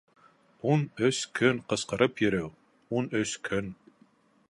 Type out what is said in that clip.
Ун өс көн ҡысҡырып йөрөү, ун өс көн...